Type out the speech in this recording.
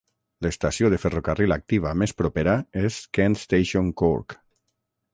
L'estació de ferrocarril activa més propera és Kent Station Cork.